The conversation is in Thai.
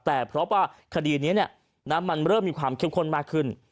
แต่เพราะว่าคดีนี้มันเริ่มมีความเข้มข้นมากขึ้น